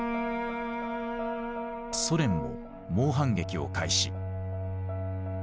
ソ連も猛反撃を開始。